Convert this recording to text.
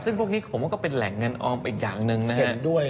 ซึ่งพวกนี้ผมว่าก็เป็นแหล่งเงินออมอีกอย่างหนึ่งนะเห็นด้วย